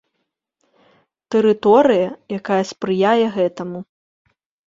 Тэрыторыя, якая спрыяе гэтаму.